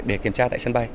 để kiểm tra tại sân bay